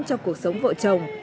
cho cuộc sống vợ chồng